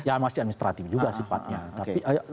ya masih administratif juga sifatnya tapi